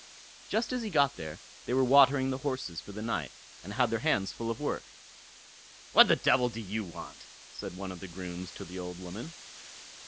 Just as he got there they were watering the horses for the night, and had their hands full of work. "What the devil do you want?" said one of the grooms to the old woman.